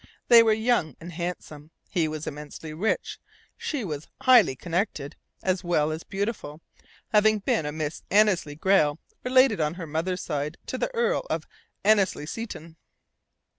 They were young and handsome. He was immensely rich, she was "highly connected" as well as beautiful, having been a Miss Annesley Grayle, related on her mother's side to the Earl of Annesley Seton.